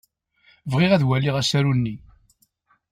Bɣiɣ ad waliɣ asaru-nni.